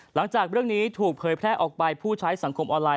หลังจากเรื่องนี้ถูกเผยแพร่ออกไปผู้ใช้สังคมออนไลน